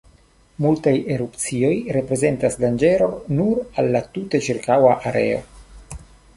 Multaj erupcioj reprezentas danĝeron nur al la tute ĉirkaŭa areo.